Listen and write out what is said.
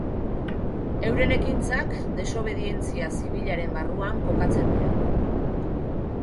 Euren ekintzak desobedientzia zibilaren barruan kokatzen dira.